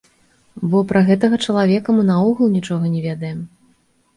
Бо пра гэтага чалавека мы наогул нічога не ведаем.